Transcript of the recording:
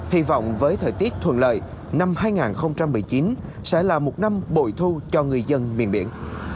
hy vọng với thời tiết thuận lợi năm hai nghìn một mươi chín sẽ là một năm bội thu cho người dân miền biển